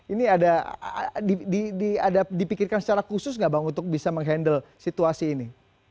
ini ada dipikirkan secara khusus nggak bang untuk bisa menghandle situasi ini